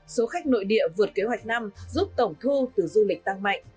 số khách nội địa vượt kế hoạch năm giúp tổng thu từ du lịch tăng mạnh